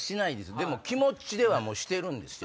でも気持ちではしてるんですよ。